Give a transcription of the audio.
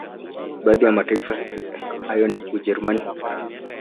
Baadhi ya mataifa hayo ni Ujerumani na Ufaransa